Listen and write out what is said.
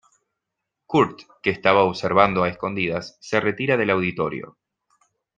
Kurt, que estaba observando a escondidas, se retira del auditorio.